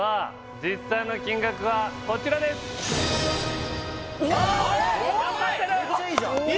実際の金額はこちらですおっ！